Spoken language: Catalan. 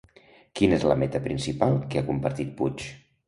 Quina és la meta principal que ha compartit Puig?